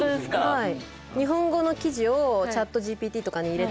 はい。